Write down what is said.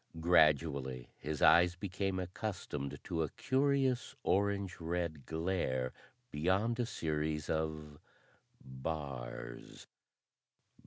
Gradually, his eyes became accustomed to a curious orange red glare beyond a series of bars.